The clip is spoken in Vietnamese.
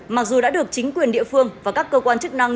mặc dù đã được chính quyền địa phương và các cơ quan chức năng